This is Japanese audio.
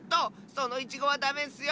そのイチゴはダメッスよ！